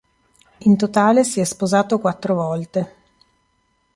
In totale si è sposato quattro volte.